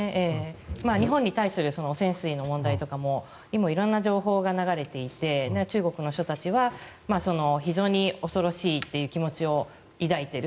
日本に対する汚染水の問題とかももう色んな情報が流れていて中国の人たちは非常に恐ろしいという気持ちを抱いている。